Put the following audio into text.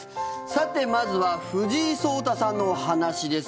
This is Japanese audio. さて、まずは藤井聡太さんのお話です。